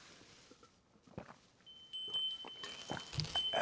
あ。